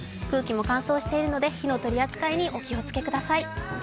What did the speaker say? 空気も乾燥しているので、火の取扱いにお気をつけください。